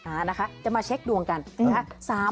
อ่านะคะจะมาเช็คดวงกันนะคะ